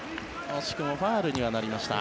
惜しくもファウルにはなりました。